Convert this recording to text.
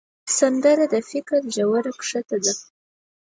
سندره د فکر ژوره ښکته ده